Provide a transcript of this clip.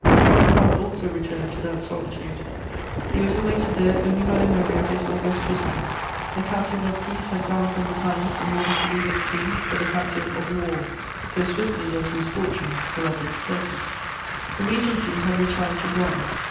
Bonaparte also returned to that solitude; he was awaited there only by the memory of his august prisoner: the captive of peace had gone from the palace in order to leave it free for the captive of war, so swiftly does "misfortune" fill up its "places." [Sidenote: Flight of the Empire.] The Regency had retired to Blois.